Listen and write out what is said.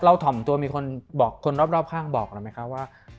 ถ่อมตัวมีคนบอกคนรอบข้างบอกเราไหมคะว่า